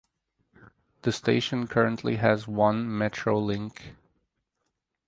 The station currently has one metrolink.